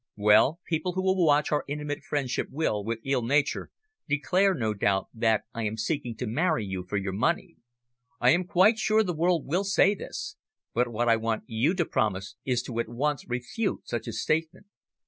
Well, people who will watch our intimate friendship will, with ill nature, declare, no doubt, that I am seeking to marry you for your money. I am quite sure the world will say this, but what I want you to promise is to at once refute such a statement.